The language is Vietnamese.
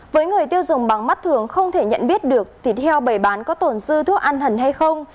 với người tiêu dùng bằng mắt thường không thể nhận biết được thịt heo bày bán có tổn dư thuốc an thần hay không